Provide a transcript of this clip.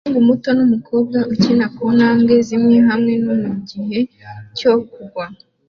umuhungu muto numukobwa ukina kuntambwe zimwe hanze mugihe cyo kugwa